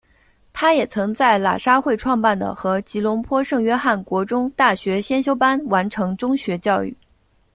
他也曾在喇沙会创办的和吉隆坡圣约翰国中大学先修班完成中学教育。